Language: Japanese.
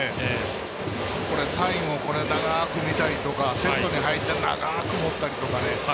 サインを長く見たりとかセットに入って長く持ったりとかね。